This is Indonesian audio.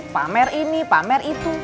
pamer ini pamer itu